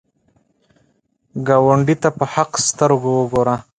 ګاونډي ته په حق سترګو وګوره